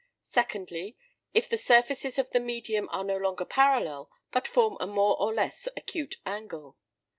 Secondly, if the surfaces of the medium are no longer parallel, but form a more or less acute angle.